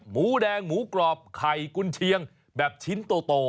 หมูแดงหมูกรอบไข่กุญเชียงแบบชิ้นโต